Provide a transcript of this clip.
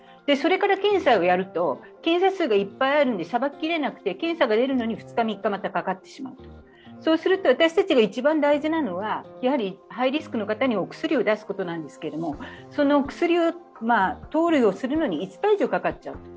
それから検査をやると検査数がいっぱいあるのでさばききれなくて、検査が出るのに２日、３日またかかってしまうそうすると私たちが一番大事なのは、ハイリスクの方にお薬を出すことなんですけれども、その薬を投与するのに５日以上かかっちゃう。